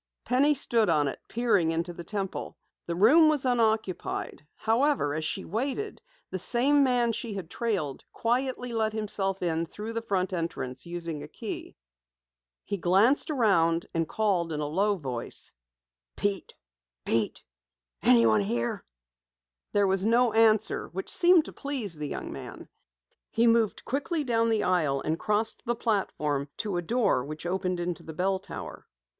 Penny stood on it, peering into the Temple. The room was unoccupied. However, as she waited, the same man she had trailed, quietly let himself in through the front entrance, using a key. He glanced about and called in a low voice: "Pete! Pete! Anyone here?" There was no answer, which seemed to please the young man. He moved quickly down the aisle, crossed the platform to a door which opened into the bell tower.